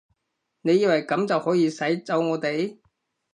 你以為噉就可以使走我哋？